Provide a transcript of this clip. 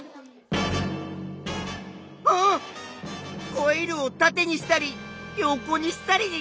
コイルをたてにしたり横にしたり。